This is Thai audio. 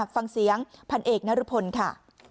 ฟังเสียงพันเอกนรพลค่ะ